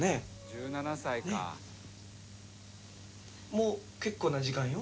「もう結構な時間よ」